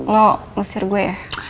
lu ngusir gue ya